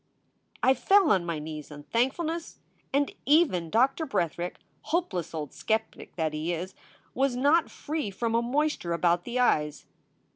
348 SOULS FOR SALE I fell on my knees in thankfulness, and even Doctor Bretherick, hopeless old skeptic that he is, was not free from a moisture about the eyes.